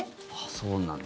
そうなんだ。